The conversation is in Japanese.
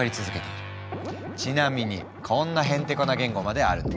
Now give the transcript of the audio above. ちなみにこんなへんてこな言語まであるの。